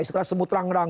sekarang semut rang rang